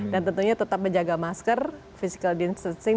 dan kepada masyarakat dan juga para pemirsa ini brownshan a majority of the population